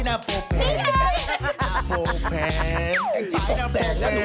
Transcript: อันนี้แล้วมีอย่างเงี้ยอย่างเงี้ย